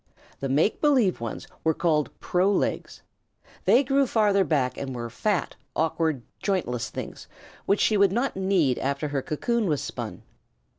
The make believe ones were called pro legs. They grew farther back and were fat, awkward, jointless things which she would not need after her cocoon was spun.